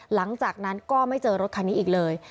หลังจากนั้นก็ไม่เจอรถคันนี้อีกเลย